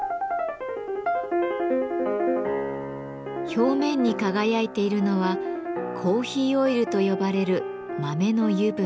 表面に輝いているのは「コーヒーオイル」と呼ばれる豆の油分。